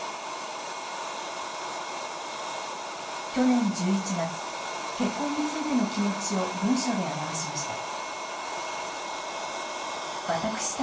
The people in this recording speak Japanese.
去年１１月、結婚についての気持ちを文書で表しました。